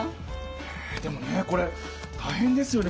でもねこれたいへんですよね。